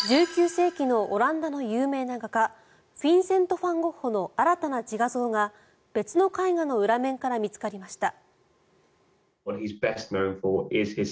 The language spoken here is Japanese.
１９世紀のオランダの有名な画家フィンセント・ファン・ゴッホの新たな自画像が別の絵画の裏面から見つかりました。